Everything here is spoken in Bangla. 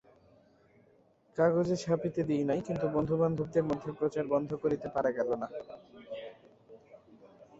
কাগজে ছাপিতে দিই নাই, কিন্তু বন্ধুবান্ধবদের মধ্যে প্রচার বন্ধ করিতে পারা গেল না।